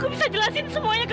epita tetap berangkota